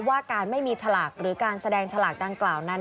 ว่าการไม่มีฉลากหรือการแสดงฉลากดังกล่าวนั้น